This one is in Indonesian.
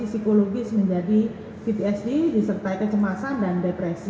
psikologis menjadi vtsd disertai kecemasan dan depresi